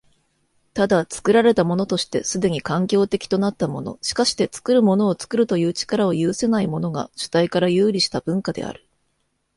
ただ、作られたものとして既に環境的となったもの、しかして作るものを作るという力を有せないものが、主体から遊離した文化である。